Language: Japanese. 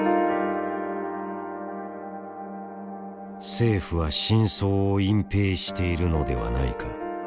政府は真相を隠ぺいしているのではないか。